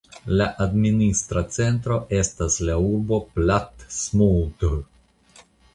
La administra centro estas la urbo Plattsmouth.